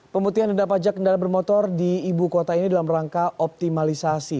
pemutihan denda pajak kendaraan bermotor di ibu kota ini dalam rangka optimalisasi